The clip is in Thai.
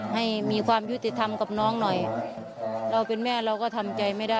ให้มีความยุติธรรมกับน้องหน่อยเราเป็นแม่เราก็ทำใจไม่ได้